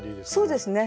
そうですね。